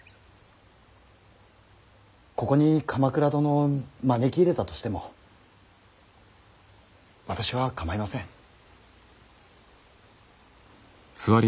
ここに鎌倉殿を招き入れたとしても私は構いません。